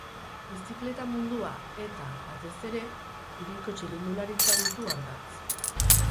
Bizikleta mundua eta, batez ere, hiriko txirrindularitza ditu ardatz.